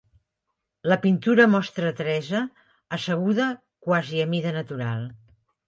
La pintura mostra Teresa asseguda, quasi a mida natural.